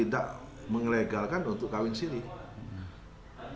tidak meregalkan tidak menganjurkan untuk kawin siri dan tidak mengarahkan untuk kawin siri